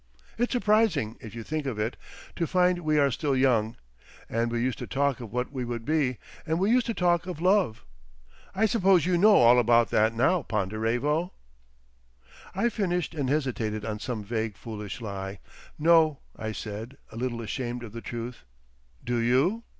It's surprising, if you think of it, to find we are still young. And we used to talk of what we would be, and we used to talk of love! I suppose you know all about that now, Ponderevo?" I finished and hesitated on some vague foolish lie, "No," I said, a little ashamed of the truth. "Do you?